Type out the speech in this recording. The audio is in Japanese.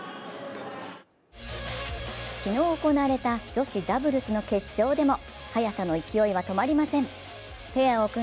昨日行われた女子ダブルスの決勝でも早田の勢いは止まりません。